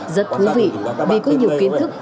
rất thú vị vì có nhiều kiến thức